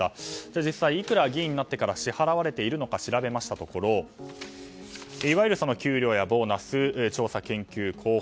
実際、議員になってからいくら支払われているのか調べましたところいわゆる給料やボーナス調査研究広報